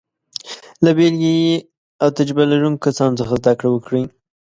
له بېلګې او تجربه لرونکو کسانو څخه زده کړه وکړئ.